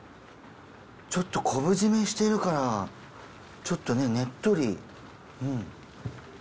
ちょっと昆布締めしてるからちょっとねねっとり。